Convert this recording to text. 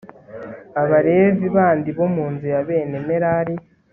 abalevi bandi bo mu nzu ya bene merari